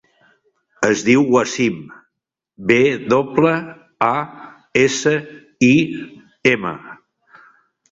Es diu Wasim: ve doble, a, essa, i, ema.